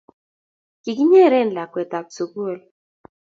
Kikinyeren lakwet ab sukul